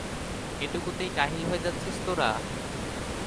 এটুকুতেই কাহিল হয়ে যাচ্ছিস তোরা!